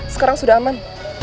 sekarang sudah aman